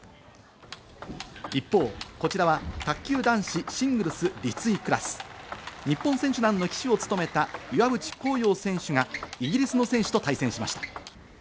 一方、こちらは卓球男子シングルス立位クラス、日本選手団の旗手を務めた岩渕幸洋選手がイギリスの選手と対戦しました。